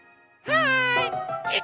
はい！